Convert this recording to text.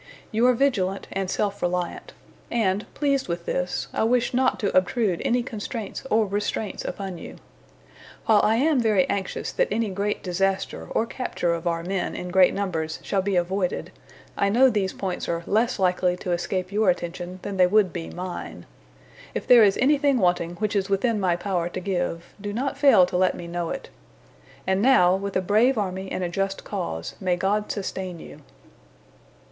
You are vigilant and self reliant; and, pleased with this, I wish not to obtrude any constraints or restraints upon you. While I am very anxious that any great disaster or capture of our men in great numbers shall be avoided, I know these points are less likely to escape your attention than they would be mine. If there is anything wanting which is within my power to give, do not fail to let me know it. And now, with a brave army and a just cause, may God sustain you."